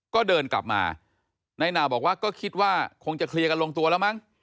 ก็เดินกลับมานายหนาวบอกว่าก็คิดว่าคงจะเคลียร์กันลงตัวแล้วมั้ง